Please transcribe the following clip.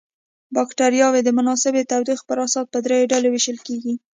بکټریاوې د مناسبې تودوخې پر اساس په دریو ډلو ویشل کیږي.